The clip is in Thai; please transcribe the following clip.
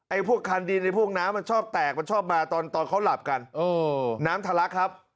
พวกคันดินไอ้พวกน้ำมันชอบแตกมันชอบมาตอนตอนเขาหลับกันน้ำทะลักครับ